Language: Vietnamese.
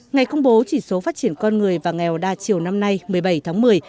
ngày công bố chỉ số phát triển con người và nghèo đa chiều năm nay một mươi bảy tháng một mươi